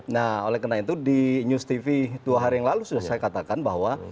nah oleh karena itu di news tv dua hari yang lalu sudah saya katakan bahwa